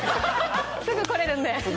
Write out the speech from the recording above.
すぐ来れるんで。